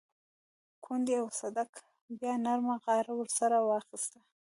کونډې او صدک بيا نرمه غاړه ورسره راواخيسته.